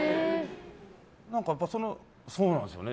何か、そうなんですよね。